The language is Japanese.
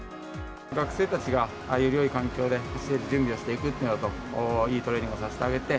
学生たちがよりよい環境で準備をしていくというのと、いいトレーニングをさせてあげて、